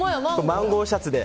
マンゴーシャツで。